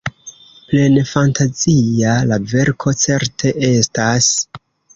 Plenfantazia la verko certe estas.